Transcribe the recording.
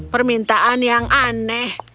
permintaan yang aneh